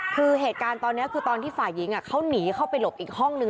คือเหตุการณ์ตอนนี้คือตอนที่ฝ่ายหญิงเขาหนีเข้าไปหลบอีกห้องนึง